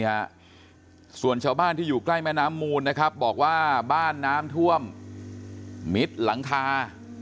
ฮะส่วนชาวบ้านที่อยู่ใกล้แม่น้ำมูลนะครับบอกว่าบ้านน้ำท่วมมิดหลังคา